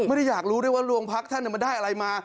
ไม่ได้อยากรู้ด้วยว่าโรงพักท่านมันได้อะไรมา